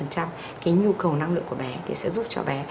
cái nhu cầu năng lượng của bé thì sẽ giúp cho bé